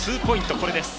これです。